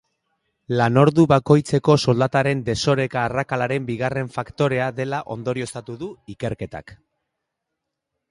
Lanordu bakoitzeko soldataren desoreka arrakalaren bigarren faktorea dela ondorioztatu du ikerketak.